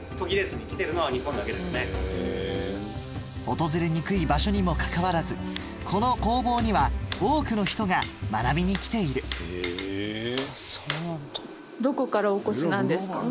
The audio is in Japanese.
訪れにくい場所にもかかわらずこの工房には多くの人が学びに来ているどこからお越しなんですか？